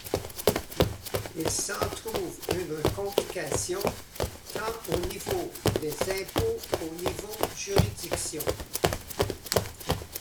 Il s'en trouve une complication tant au niveau des impôts qu'au niveau juridiction.